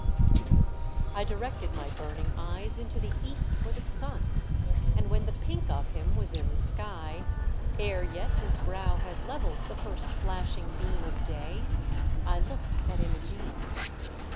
I directed my burning eyes into the east for the sun, and when the pink of him was in the sky, ere yet his brow had levelled the first flashing beam of day, I looked at Imogene.